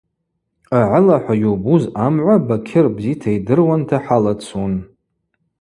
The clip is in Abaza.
Агӏылахӏва йубуз амгӏва Бакьыр бзита йдыруанта хӏалацун.